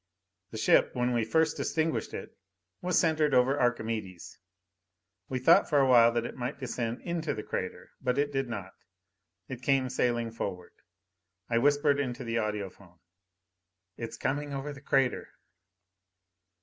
The ship, when we first distinguished it, was centered over Archimedes. We thought for a while that it might descend into the crater. But it did not; it came sailing forward. I whispered into the audiphone, "It's coming over the crater."